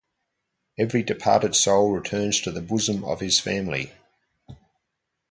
Every departed soul returns to the bosom of his family.